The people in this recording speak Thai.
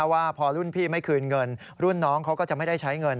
ว่าพอรุ่นพี่ไม่คืนเงินรุ่นน้องเขาก็จะไม่ได้ใช้เงิน